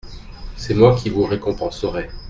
C'est moi qui vous récompenserai.